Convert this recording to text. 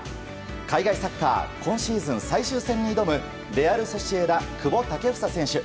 海外サッカー今シーズン最終戦に挑むレアル・ソシエダ、久保建英選手。